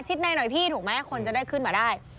ในหน่อยพี่ถูกไหมคนจะได้ขึ้นมาได้